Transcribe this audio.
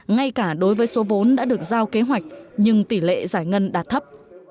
ngay cả đối với số vốn đã được giao kế hoạch nhưng tỷ lệ giải ngân đạt thấp